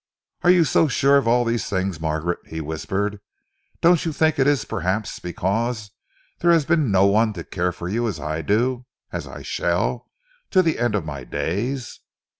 "Are you so sure of all these things, Margaret?" he whispered. "Don't you think it is, perhaps, because there has been no one to care for you as I do as I shall to the end of my days?